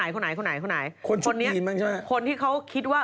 คนไหนคนที่เขาคิดว่า